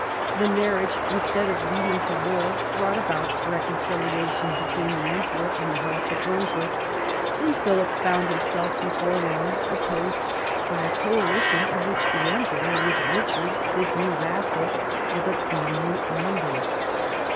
The marriage, instead of leading to war, brought about recon ciliation between the Emperor and the house of Brunswick, and Philip found himself before long opposed by a coalition of which the Emperor with Richard, his new vassal, were the prominent members.